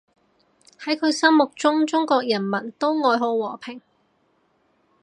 喺佢心目中，中國人民都愛好和平